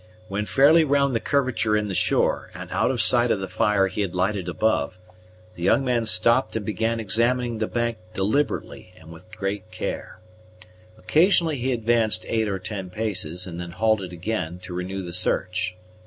When fairly round the curvature in the shore, and out of sight of the fire he had lighted above, the young man stopped and began examining the bank deliberately and with great care. Occasionally he advanced eight or ten paces, and then halted again, to renew the search.